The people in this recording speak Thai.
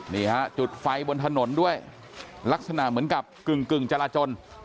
นี่ฮะจุดไฟบนถนนด้วยลักษณะเหมือนกับกึ่งจราจน